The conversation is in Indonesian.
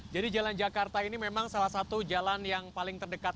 jalan jakarta ini memang salah satu jalan yang paling terdekat